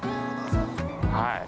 はい。